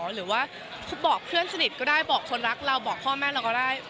หรือว่าบอกเพื่อนสนิทก็ได้บอกคนรักเราบอกพ่อแม่เราก็ได้